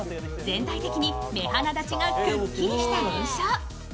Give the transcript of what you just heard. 全体的に目鼻立ちがくっきりした印象。